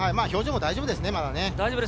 表情も大丈夫ですね、まだ。